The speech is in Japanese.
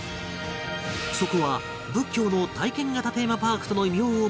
そこは「仏教の体験型テーマパーク」との異名を持つ場所